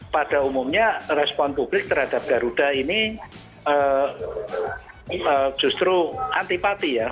pada umumnya respon publik terhadap garuda ini justru antipati ya